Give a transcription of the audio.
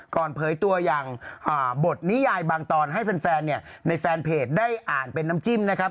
เผยตัวอย่างบทนิยายบางตอนให้แฟนเนี่ยในแฟนเพจได้อ่านเป็นน้ำจิ้มนะครับ